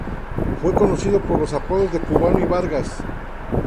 Fue conocido por los apodos de "Cubano" y "Vargas".